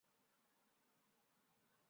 贝尔佩克。